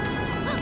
あ！